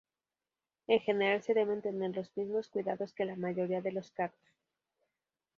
En general se deben tener los mismos cuidados que la mayoría de los cactus.